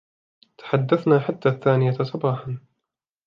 تحدثنا حتى الثانية صباحاً.